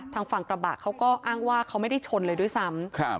ทางฝั่งกระบะเขาก็อ้างว่าเขาไม่ได้ชนเลยด้วยซ้ำ